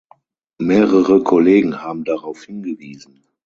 Mehrere Kollegen haben darauf hingewiesen.